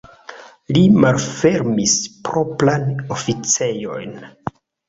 Li malfermis propran oficejon.